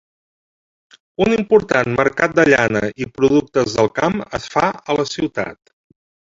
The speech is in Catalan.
Un important mercat de llana i productes del camp es fa a la ciutat.